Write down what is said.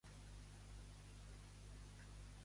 Però els altres sempre se'n burlen i els diuen que s'agraden!